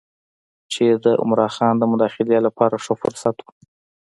چې د عمرا خان د مداخلې لپاره ښه فرصت و.